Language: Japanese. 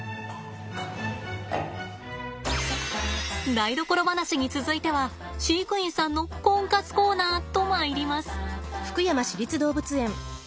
台所話に続いては飼育員さんのコンカツコーナーとまいります。